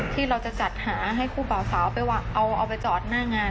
ที่เราจะจัดหาให้คู่บ่าวสาวไปเอาไปจอดหน้างาน